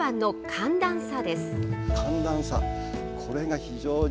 寒暖差。